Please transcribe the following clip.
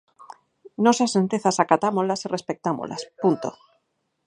Nós as sentenzas acatámolas e respectámolas, punto.